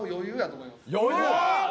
余裕！